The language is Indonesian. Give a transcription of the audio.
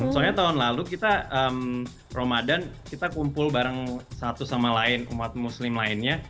soalnya tahun lalu kita ramadan kita kumpul bareng satu sama lain umat muslim lainnya